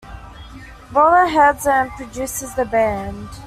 Rollo heads and produces the band.